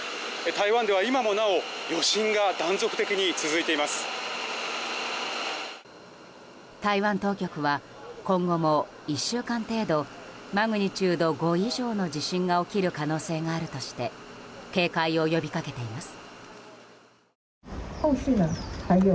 台湾当局は、今後も１週間程度マグニチュード５以上の地震が起きる可能性があるとして警戒を呼びかけています。